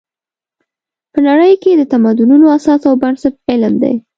په نړۍ کې د تمدنونو اساس او بنسټ علم دی.